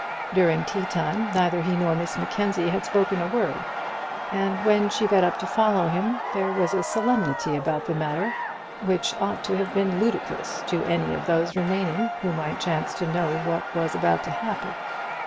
During tea time neither he nor Miss Mackenzie had spoken a word, and when she got up to follow him, there was a solemnity about the matter which ought to have been ludicrous to any of those remaining, who might chance to know what was about to happen.